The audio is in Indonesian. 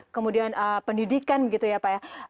kemudian pendidikan gitu ya pak ya